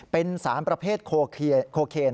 เป็นสารประเภทโคเคน